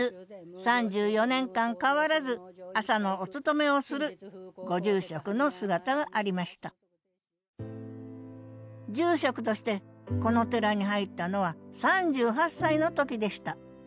３４年間変わらず朝のお勤めをするご住職の姿がありました住職としてこの寺に入ったのは３８歳の時でした。